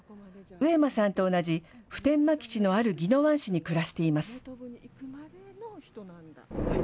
上間さんと同じ普天間基地のある宜野湾市に暮らしています。